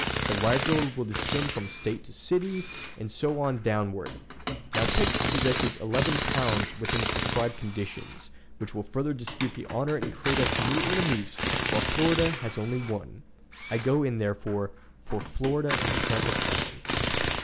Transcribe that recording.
The rivalry will descend from State to city, and so on downward. Now Texas possesses eleven towns within the prescribed conditions, which will further dispute the honor and create us new enemies, while Florida has only one. I go in, therefore, for Florida and Tampa Town."